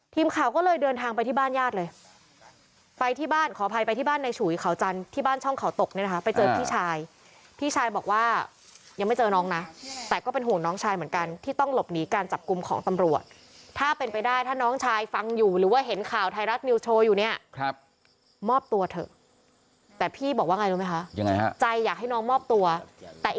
ทีมข่าวก็เลยเดินทางไปที่บ้านญาติเลยไปที่บ้านขออภัยไปที่บ้านในฉุยเขาจันทร์ที่บ้านช่องเขาตกเนี่ยนะคะไปเจอพี่ชายพี่ชายบอกว่ายังไม่เจอน้องนะแต่ก็เป็นห่วงน้องชายเหมือนกันที่ต้องหลบหนีกันจับกลุ่มของตำรวจถ้าเป็นไปได้ถ้าน้องชายฟังอยู่หรือว่าเห็นข่าวไทยรัฐนิวส์โชว์อยู่เนี่ยครับมอบตัวเถ